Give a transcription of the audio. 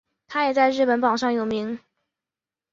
它也在日本榜上有名。